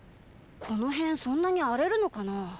この辺そんなに荒れるのかな？